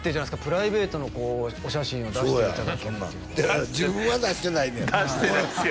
プライベートのこうお写真を出していただけるっていうのはだから自分は出してないねやな出してないっすよね